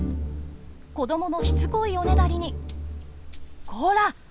子どものしつこいおねだりに「こらっ！